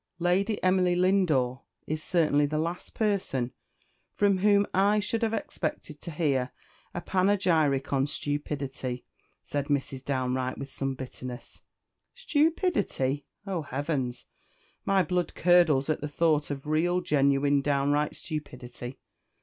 "Lady Emily Lindore is certainly the last person from whom I should have expected to hear a panegyric on stupidity," said Mrs. Downe Wright, with some bitterness. "Stupidity! oh, heavens! my blood curdles at the thought of real, genuine, downright stupidity!